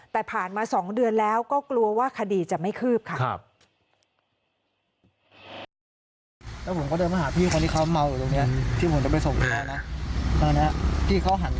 แต่ผ่านมา๒เดือนแล้วก็กลัวว่าคดีจะไม่คืบค่ะ